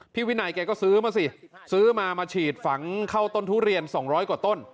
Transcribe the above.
พี่วินัยแกก็ซื้อมาสิซื้อมามาฉีดฝังเข้าต้นทุเรียน๒๐๐กว่าต้น